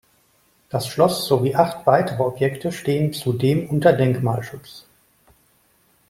Das Schloss sowie acht weitere Objekte stehen zudem unter Denkmalschutz.